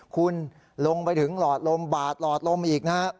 คุณลงไปถึงหลอดลมบาดหลอดลมอีกนะฮะ